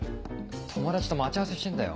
友達と待ち合わせしてんだよ。